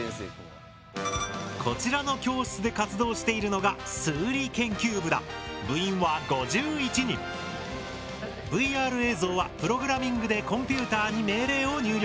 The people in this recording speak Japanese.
こちらの教室で活動しているのがＶＲ映像はプログラミングでコンピューターに命令を入力。